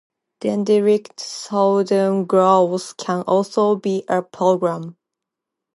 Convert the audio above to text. Dendritic-sodium growth can also be a problem.